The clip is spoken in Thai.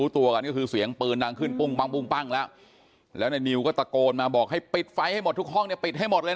ตะโกนมาบอกให้ปิดไฟให้หมดทุกห้องเนี่ยปิดให้หมดเลยนะ